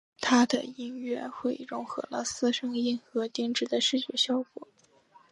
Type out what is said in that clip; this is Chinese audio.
他的音乐会融合了四声音和精致的视觉效果。